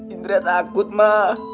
indra takut ma